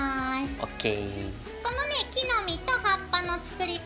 ＯＫ。